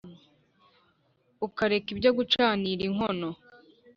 ukareka ibyo gucanira inkono